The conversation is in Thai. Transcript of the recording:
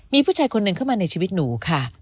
มีผู้ชายคนหนึ่งเข้ามาในชีวิตหนูค่ะ